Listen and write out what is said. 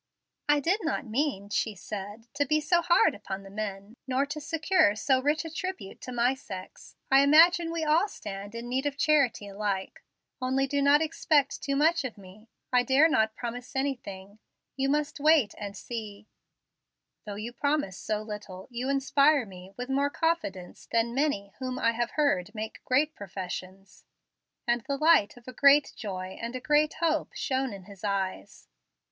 "I did not mean," she said, "to be so hard upon the men, nor to secure so rich a tribute to my sex. I imagine we all stand in need of charity alike. Only do not expect too much of me. I dare not promise anything. You must wait and see." "Though you promise so little, you inspire me with more confidence than many whom I have heard make great professions"; and the light of a great joy and a great hope shone in his eyes.